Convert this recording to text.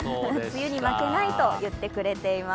梅雨に負けないと言ってくれています。